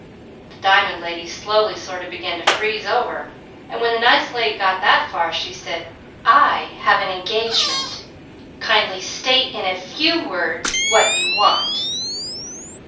The dimun lady slowly sort of began to freeze over, and when the nice lady got that far, she said: 'I have an engagement. Kindly state in a few words what you want.'